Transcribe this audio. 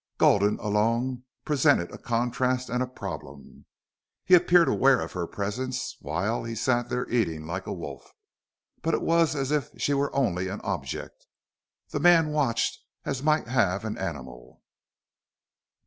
Gulden alone presented a contrast and a problem. He appeared aware of her presence while he sat there eating like a wolf, but it was as if she were only an object. The man watched as might have an animal.